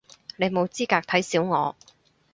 你冇資格睇小我